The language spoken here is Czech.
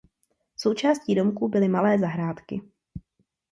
Součástí domků byly malé zahrádky.